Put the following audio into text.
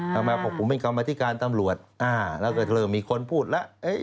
เอามาบอกผมเป็นกรรมธิการตำรวจแล้วก็เริ่มมีคนพูดแล้ว